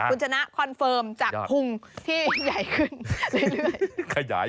คุณชนะคอนเฟิร์มจากพุงที่ใหญ่ขึ้นเรื่อย